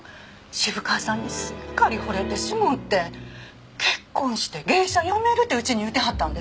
渋川さんにすっかりほれてしもうて「結婚して芸者辞める」てうちに言うてはったんです。